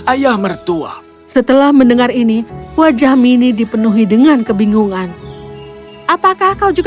ayah mertua setelah mendengar ini wajah mini dipenuhi dengan kebingungan apakah kau juga